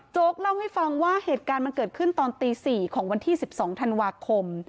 เล่าให้ฟังว่าเหตุการณ์มันเกิดขึ้นตอนตี๔ของวันที่๑๒ธันวาคม